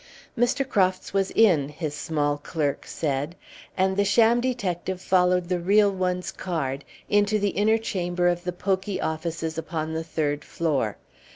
Mr. Crofts was in, his small clerk said, and the sham detective followed the real one's card into the inner chamber of the poky offices upon the third floor.